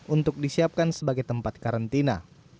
untuk disiapkan sebagai tempat karantina